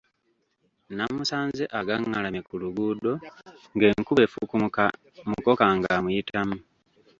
Namusanze agangalamye ku luguudo ng'enkuba efukumuka mukoka ng'amuyitamu.